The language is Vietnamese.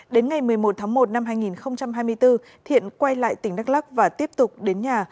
đến ngày một mươi một tháng một năm hai nghìn hai mươi bốn thiện quay lại tỉnh đắk lắc và tiếp tục đến nhà